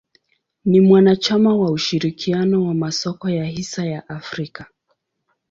Ni mwanachama wa ushirikiano wa masoko ya hisa ya Afrika.